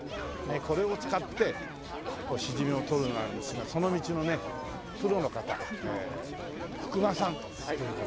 これを使ってしじみをとるようなんですがその道のねプロの方福間さんという方でね。